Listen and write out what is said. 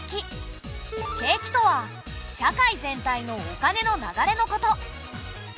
景気とは社会全体のお金の流れのこと。